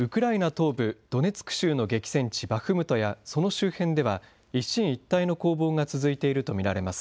東部ドネツク州の激戦地バフムトや、その周辺では、一進一退の攻防が続いていると見られます。